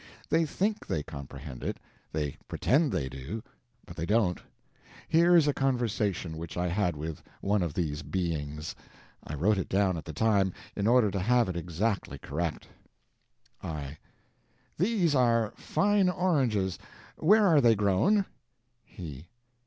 They think they comprehend it; they pretend they do; but they don't. Here is a conversation which I had with one of these beings; I wrote it down at the time, in order to have it exactly correct. I. These are fine oranges. Where are they grown? He.